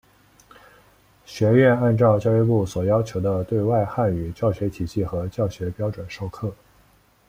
学院按照教育部所要求的对外汉语教学体系和教学标准授课。